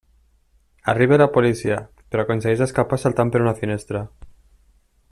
Arriba la policia, però aconsegueix escapar saltant per una finestra.